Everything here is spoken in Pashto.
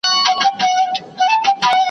آیا مدرسې تر ښوونځیو زیات دیني درسونه لري؟